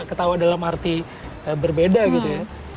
ketawa dalam arti berbeda gitu ya